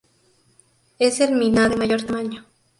Es el miná de mayor tamaño.